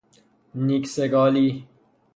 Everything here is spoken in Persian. نیک سگالی